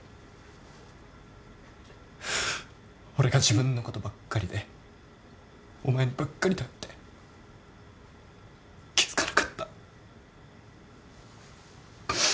俺が自分のことばっかりでお前にばっかり頼って気付かなかった。